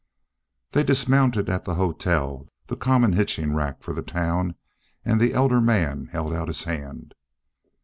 They dismounted at the hotel, the common hitching rack for the town, and the elder man held out his hand.